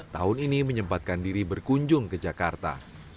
tahun ini menyempatkan diri berkunjung ke jakarta